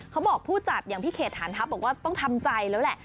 ผู้จัดอย่างพี่เขตฐานทัพบอกว่าต้องทำใจแล้วแหละ